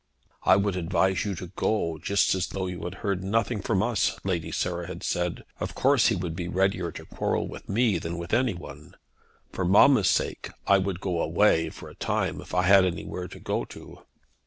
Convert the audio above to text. "I would advise you to go just as though you had heard nothing from us," Lady Sarah had said. "Of course he would be readier to quarrel with me than with any one. For mamma's sake I would go away for a time if I had anywhere to go to."